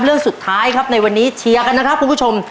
เรื่องสุดท้ายครับในวันนี้เชียร์กันนะครับคุณผู้ชม